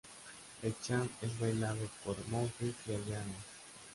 El cham es bailado por monjes y aldeanos.